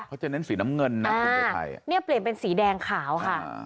เขาจะเน้นสีน้ำเงินนะอ่านี่เปลี่ยนเป็นสีแดงขาวค่ะ